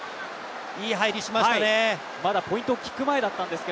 いい走りしましたね。